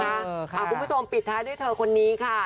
ต่อไปคุณผู้ชมปิดแทคด้วยคนนี้ค่ะ